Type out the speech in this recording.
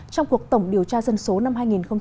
trong cuộc tổng điều tra dân số năm hai nghìn hai mươi